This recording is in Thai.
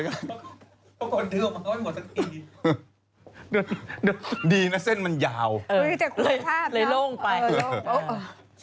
เลยโล่งไป